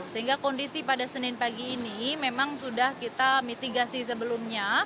sehingga kondisi pada senin pagi ini memang sudah kita mitigasi sebelumnya